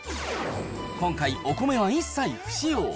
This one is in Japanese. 今回、お米は一切不使用。